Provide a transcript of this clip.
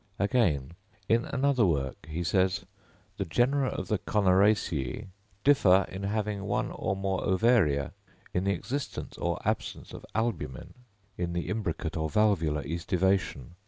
Again, in another work he says, the genera of the Connaraceæ "differ in having one or more ovaria, in the existence or absence of albumen, in the imbricate or valvular æstivation.